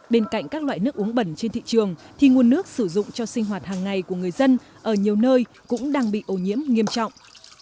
bên cạnh các loại nước uống bẩn trên thị trường thì nguồn nước sử dụng cho sinh hoạt hàng ngày của người dân ở nhiều nơi cũng đang bị ô nhiễm nghiêm trọng